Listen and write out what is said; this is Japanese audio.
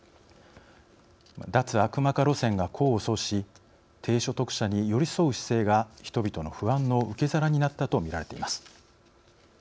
「脱悪魔化」路線が功を奏し低所得者に寄り添う姿勢が人々の不安の受け皿になったと見られています。